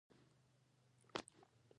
سپین ږیرو او ناروغانو ته یې نه کتل.